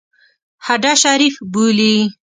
هډه شریف بولي.